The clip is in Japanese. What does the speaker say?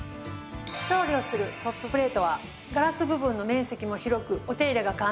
調理をするトッププレートはガラス部分の面積も広くお手入れが簡単です。